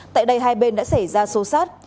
tại đây hai bên đã xảy ra xô xát